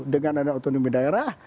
dengan ada otonomi daerah